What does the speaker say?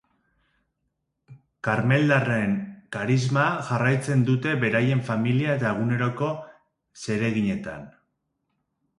Karmeldarren karisma jarraitzen dute beraien familia eta eguneroko zereginetan.